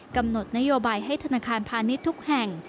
กำหนดนโยบายให้ธนาคารพาณิชย์ทุกแห่ง